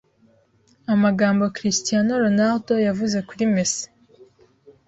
Amagambo Cristiano Ronaldo yavuze kuri Messi